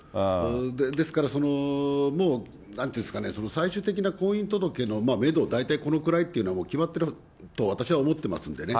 ですから、もう、なんというんですかね、最終的な婚姻届のメド、大体このくらいというのは決まってると私は思ってますんでね。